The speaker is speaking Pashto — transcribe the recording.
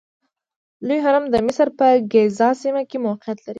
لوی هرم د مصر په ګیزا سیمه کې موقعیت لري.